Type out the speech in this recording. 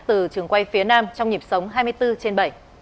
từ trường quay phía nam trong nhịp sống hai mươi bốn trên bảy